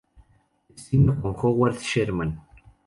Destino con Howard Sherman.